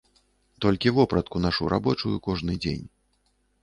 Толькі вопратку нашу рабочую кожны дзень.